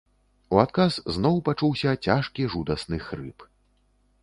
У адказ зноў пачуўся цяжкі жудасны хрып.